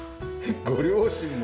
ご両親も。